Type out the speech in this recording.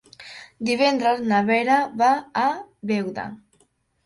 Divendres na Vera va a Beuda.